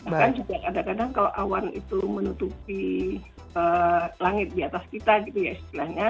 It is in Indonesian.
bahkan juga kadang kadang kalau awan itu menutupi langit di atas kita gitu ya istilahnya